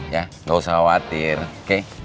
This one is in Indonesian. ya nggak usah khawatir oke